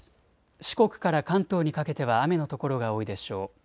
四国から関東にかけては雨の所が多いでしょう。